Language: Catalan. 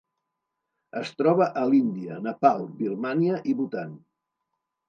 Es troba a l'Índia, Nepal, Birmània i Bhutan.